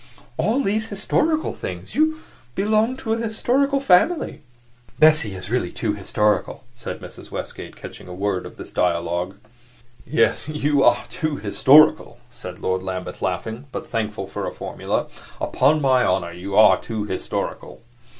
"All these historical things. You belong to a historical family." "Bessie is really too historical," said Mrs. Westgate, catching a word of this dialogue. "Yes, you are too historical," said Lord Lambeth, laughing, but thankful for a formula. "Upon my honor, you are too historical!"